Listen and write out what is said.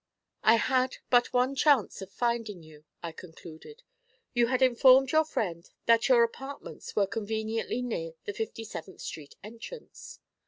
'I had but one chance of finding you,' I concluded. 'You had informed your friend that your apartments were conveniently near the Fifty seventh Street entrance.'